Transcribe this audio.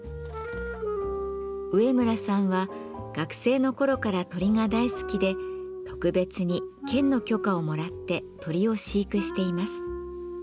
上村さんは学生の頃から鳥が大好きで特別に県の許可をもらって鳥を飼育しています。